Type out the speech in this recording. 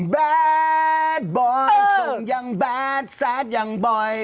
แดดบ่อยส่งยังแบดแซดอย่างบ่อย